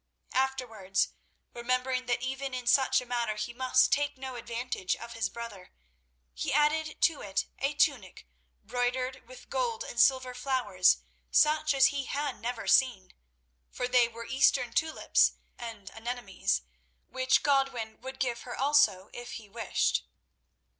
Afterwards, remembering that even in such a matter he must take no advantage of his brother, he added to it a tunic broidered with gold and silver flowers such as he had never seen—for they were Eastern tulips and anemones, which Godwin would give her also if he wished.